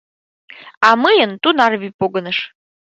— А мыйын тунар вий погыныш...